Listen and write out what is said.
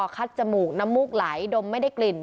จมูกน้ำมูกไหลดมไม่ได้กลิ่น